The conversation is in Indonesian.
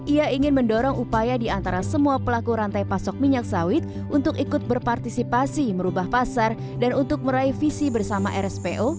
ia ingin mendorong upaya di antara semua pelaku rantai pasok minyak sawit untuk ikut berpartisipasi merubah pasar dan untuk meraih visi bersama rspo